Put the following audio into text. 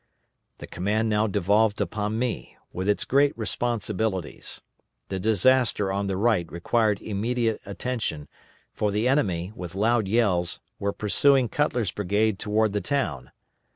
The command now devolved upon me, with its great responsibilities. The disaster on the right required immediate attention, for the enemy, with loud yells, were pursuing Cutler's brigade toward the town.